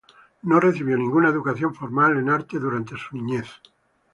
No recibió ninguna educación formal en arte durante su niñez.